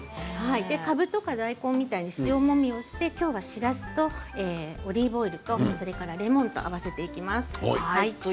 かぶとか大根みたいに塩もみをして今日はしらすとオリーブオイルとそれからレモンと合わせていきます。